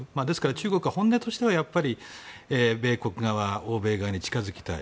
中国は本音としては米国側、欧米側に近づきたい。